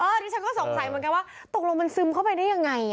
อันนี้ฉันก็สงสัยเหมือนกันว่าตกลงมันซึมเข้าไปได้ยังไง